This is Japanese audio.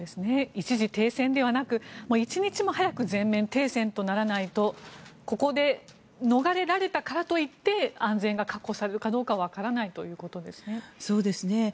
一時停戦ではなく一日も早く全面停戦とならないとここで逃れられたからといって安全が確保されるかどうかはわからないということですね。